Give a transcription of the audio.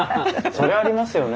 そりゃあありますよね。